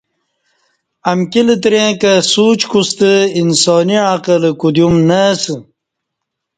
امکی لتریں کہ سوچ کوستہ انسانی عقلہ کودیوم نہ اسہ